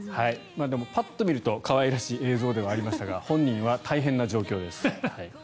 でもパッと見ると可愛らしい映像でしたが本人は大変な状況です。